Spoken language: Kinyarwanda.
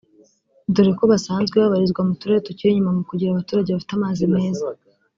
dore ko basanzwe babarizwa mu turere tukiri inyuma mu kugira abaturage bafite amazi meza